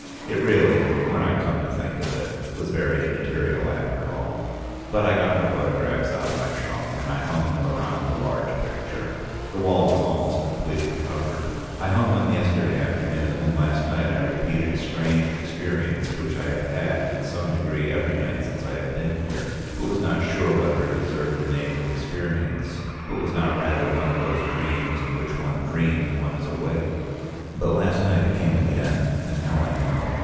It really, when I came to think of it, was very immaterial after all. But I got my photographs out of my trunk, and I hung them around the large picture. The wall is almost completely covered. I hung them yesterday afternoon, and last night I repeated a strange experience which I have had in some degree every night since I have been here, but was not sure whether it deserved the name of experience, but was not rather one of those dreams in which one dreams one is awake. But last night it came again, and now I know.